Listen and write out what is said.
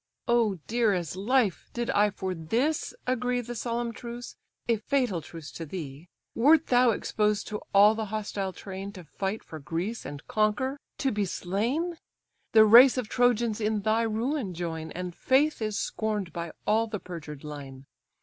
"Oh, dear as life! did I for this agree The solemn truce, a fatal truce to thee! Wert thou exposed to all the hostile train, To fight for Greece, and conquer, to be slain! The race of Trojans in thy ruin join, And faith is scorn'd by all the perjured line.